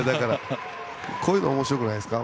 こういうのおもしろくないですか？